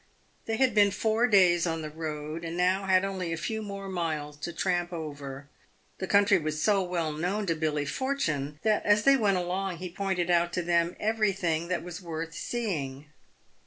They had been four days on the road, and now had only a few more miles to tramp over. The country was so well known to Billy For tune, that as they went along he pointed out to them everything that was worth seeing.